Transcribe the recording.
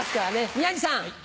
宮治さん。